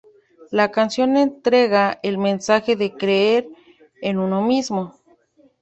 La canción entrega el mensaje de creer en uno mismo.